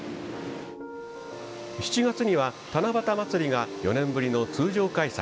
７月には「七夕まつり」が４年ぶりの通常開催。